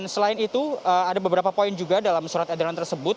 selain itu ada beberapa poin juga dalam surat edaran tersebut